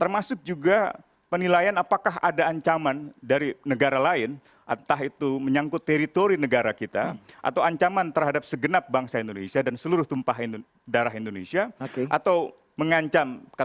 maksudnya tinggi badannya